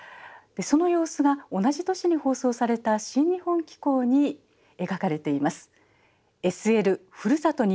その様子が同じ年に放送された「新日本紀行」に描かれています。